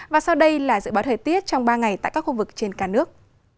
và sau đây là dự báo thời tiết trong ba ngày tại các khu vực trên cả nước